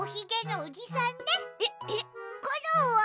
コロンは？